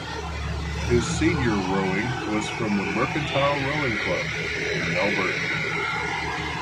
His senior rowing was from the Mercantile Rowing Club in Melbourne.